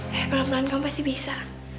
nah eh pelan pelan kamu pasti bisa